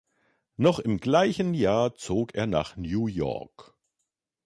Noch im gleichen Jahr zog er nach New York.